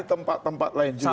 tempat tempat lain juga